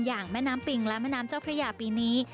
แม่น้ำปิงและแม่น้ำเจ้าพระยาปีนี้